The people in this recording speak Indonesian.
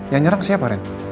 yang nyerang siapa ren